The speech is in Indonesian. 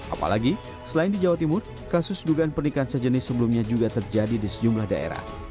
apalagi selain di jawa timur kasus dugaan pernikahan sejenis sebelumnya juga terjadi di sejumlah daerah